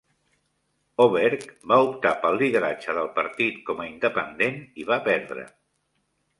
Oberg va optar pel lideratge del partit com a Independent i va perdre.